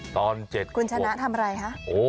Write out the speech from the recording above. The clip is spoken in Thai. ตอน๗คุณชนะทำอะไรคะ